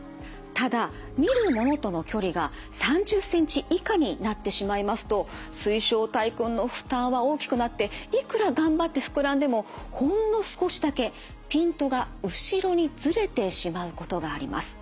ただ見るものとの距離が３０センチ以下になってしまいますと水晶体くんの負担は大きくなっていくら頑張って膨らんでもほんの少しだけピントが後ろにずれてしまうことがあります。